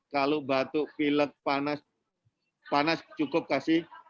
kalau batuk pilek panas panas cukup kasih